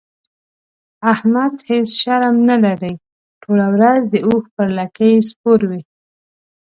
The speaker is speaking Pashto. احمد هيڅ شرم نه لري؛ ټوله ورځ د اوښ پر لکۍ سپور وي.